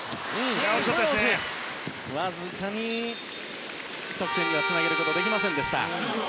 わずかに得点にはつなげられませんでした。